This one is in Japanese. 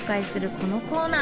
このコーナー！